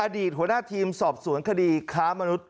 อดีตหัวหน้าทีมสอบสวนคดีค้ามนุษย